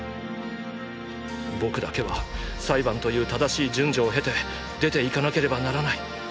僕だけは裁判という正しい順序を経て出ていかなければならない！！